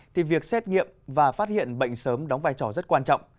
thì việc xét nghiệm và phát hiện bệnh sớm đóng vai trò rất quan trọng